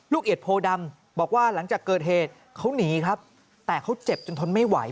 เอียดโพดำบอกว่าหลังจากเกิดเหตุเขาหนีครับแต่เขาเจ็บจนทนไม่ไหว